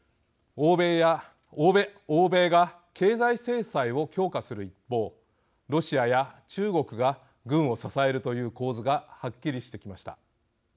欧米が経済制裁を強化する一方ロシアや中国が軍を支えるという構図がはっきりしてきました。